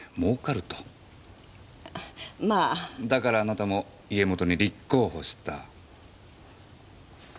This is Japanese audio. だからあなたも家元に立候補した？